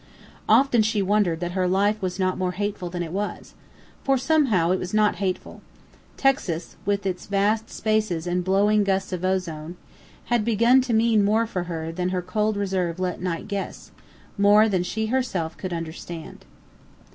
Often she wondered that her life was not more hateful than it was; for somehow it was not hateful. Texas, with its vast spaces and blowing gusts of ozone, had begun to mean more for her than her cold reserve let Knight guess, more than she herself could understand.